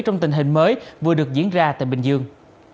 trong tình hình mới vừa được diễn ra tại bình dương